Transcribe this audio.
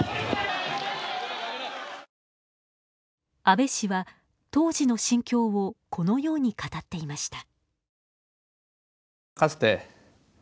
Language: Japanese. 安倍氏は、当時の心境をこのように語っていました。